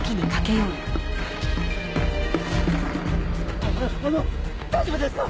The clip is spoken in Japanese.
あああの大丈夫ですか？